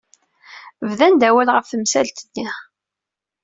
Bdant-d awal ɣef temsalt-nni.